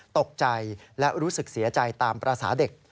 ตกใจและรู้สึกเสียใจตามภาษาเด็ก